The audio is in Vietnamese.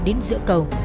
đến giữa cầu